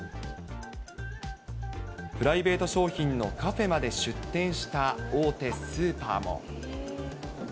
プライベート商品のカフェまで出店した大手スーパーも。